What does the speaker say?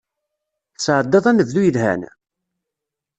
Tesεeddaḍ anebdu yelhan?